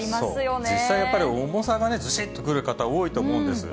そう、実際やっぱり、重さがね、ずしっとくる方多いと思うんです。